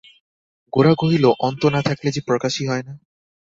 গোরা কহিল, অন্ত না থাকলে যে প্রকাশই হয় না।